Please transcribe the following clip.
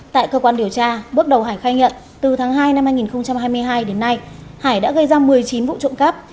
tại cơ quan điều tra bước đầu hải khai nhận từ tháng hai năm hai nghìn hai mươi hai đến nay hải đã gây ra một mươi chín vụ trộm cắp